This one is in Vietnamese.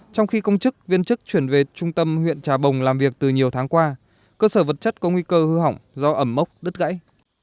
trong khi công chức viên chức chuyển về trung tâm huyện trà bồng làm việc từ nhiều tháng qua cơ sở vật chất có nguy cơ hư hỏng do ẩm mốc đứt gãy